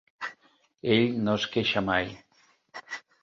Ell no es queixa mai.